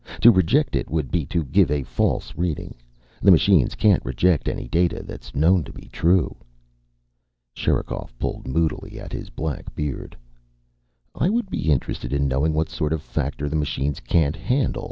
To reject it would be to give a false reading. The machines can't reject any data that's known to be true." Sherikov pulled moodily at his black beard. "I would be interested in knowing what sort of factor the machines can't handle.